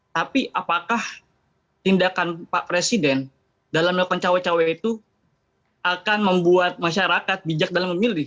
tapi apakah tindakan pak presiden dalam melakukan cawe cawe itu akan membuat masyarakat bijak dalam memilih